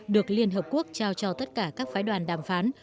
được liên hợp quốc trao cho tất cả các phái đoàn đàm phán